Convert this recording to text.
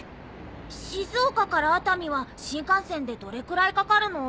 静岡から熱海は新幹線でどれくらいかかるの？